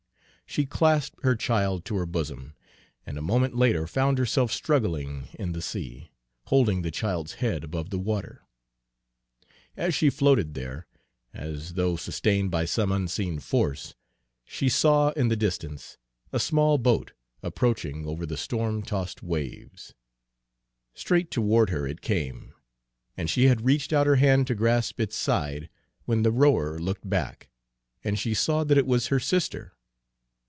She clasped her child to her bosom, and a moment later found herself struggling in the sea, holding the child's head above the water. As she floated there, as though sustained by some unseen force, she saw in the distance a small boat approaching over the storm tossed waves. Straight toward her it came, and she had reached out her hand to grasp its side, when the rower looked back, and she saw that it was her sister.